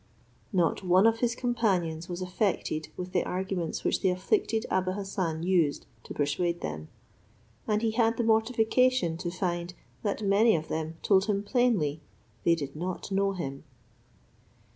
Not one of his companions was affected with the arguments which the afflicted Abou Hassan used to persuade them; and he had the mortification to find, that many of them told him plainly they did not know him.